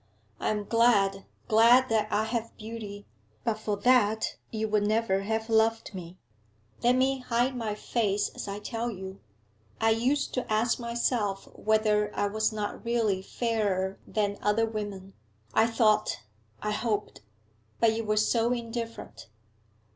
I am glad, glad that I have beauty; but for that you would never have loved me. Let me hide my face as I tell you. I used to ask myself whether I was not really fairer than other women I thought I hoped! But you were so indifferent.